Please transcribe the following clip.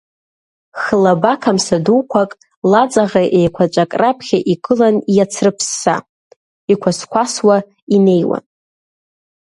Хлаба қамса дуқәак, лаҵаӷа еиқәаҵәак раԥхьа игылан иацрыԥсса, иқәасқәасуа инеиуан…